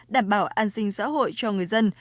đảm bảo an sinh xã hội cho người dân